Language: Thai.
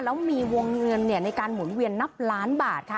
แล้วมีวงเงินในการหมุนเวียนนับล้านบาทค่ะ